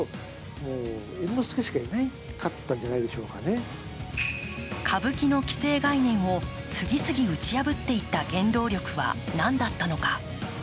演劇評論家の犬丸治氏は歌舞伎の既成概念を次々打ち破っていった原動力は何だったのか。